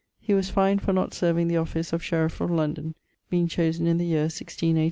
He fined for not serving the office of shereif of London, being chosen in the yeare 1618.